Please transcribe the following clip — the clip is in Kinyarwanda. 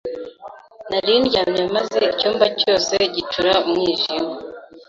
narindyamye maze icyumba cyose gicura umwijima.